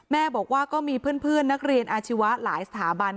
แม่บอกว่าก็มีเพื่อนนักเรียนอาชีวะหลายสถาบัน